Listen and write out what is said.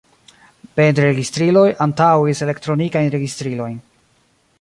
Bendregistriloj antaŭis elektronikajn registrilojn.